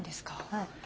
はい。